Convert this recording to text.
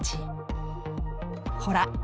ほら！